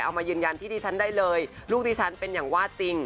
เอามายืนยันที่ดิฉันได้เลยลูกดิฉันเป็นอย่างว่าจริง